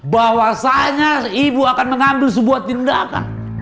bahwasanya ibu akan mengambil sebuah tindakan